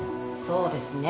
そうですね。